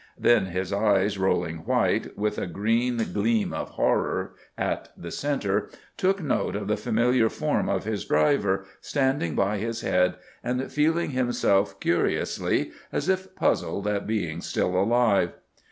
Then his eyes, rolling white, with a green gleam of horror at the centre, took note of the familiar form of his driver, standing by his head and feeling himself curiously, as if puzzled at being still alive.